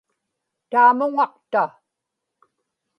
taamuŋaqta